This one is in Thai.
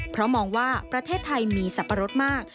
เพราะมองว่าประเทศไทยมีสับปะรดมาก